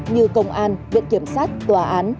như công an viện kiểm sát tòa án